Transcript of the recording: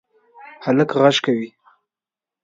هلک غږ کوی